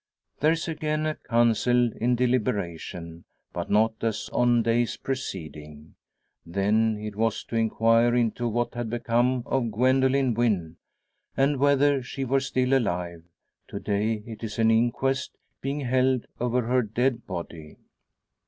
There is again a council in deliberation; but not as on days preceding. Then it was to inquire into what had become of Gwendoline Wynn, and whether she were still alive; to day, it is an inquest being held over her dead body!